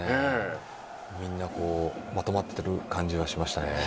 みんな、まとまっている感じがしましたね。